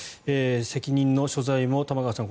責任の所在も玉川さん